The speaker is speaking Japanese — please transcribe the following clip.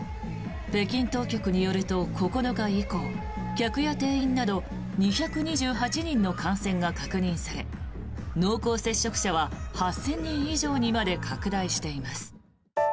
北京当局によると９日以降客や店員など２２８人の感染が確認され濃厚接触者は８０００人以上にまで拡大しています。